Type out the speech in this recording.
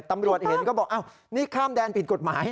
ตำรวจเห็นก็บอกอ้าวนี่ข้ามแดนผิดกฎหมาย